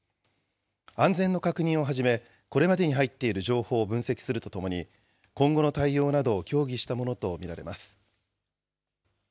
安全の確認をはじめ、これまでに入っている情報を分析するとともに、今後の対応などを協議したものと見られます。